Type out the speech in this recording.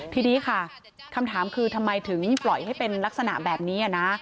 ทีนี้ค่ะคำถามคือทำไมถึงปล่อยให้เป็นลักษณะแบบนี้นะ